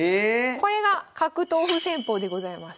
これが角頭歩戦法でございます。